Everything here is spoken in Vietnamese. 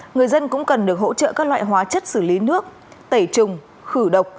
người dân cũng cần được hỗ trợ các loại hóa chất xử lý nước tẩy trùng khử độc